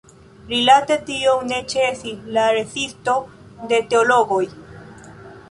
Rilate tion ne ĉesis la rezisto de teologoj.